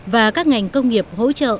và các ngành công nghiệp hỗ trợ